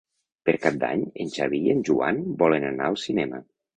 Per Cap d'Any en Xavi i en Joan volen anar al cinema.